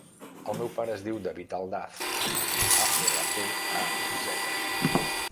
El meu pare es diu David Aldaz: a, ela, de, a, zeta.